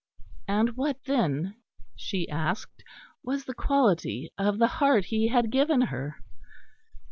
And what then, she asked, was the quality of the heart he had given her?